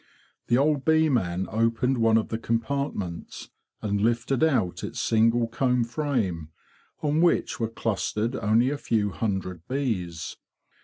The old bee man opened one of the compartments, and lifted out its single comb frame, on which were clustered only a few hundred bees.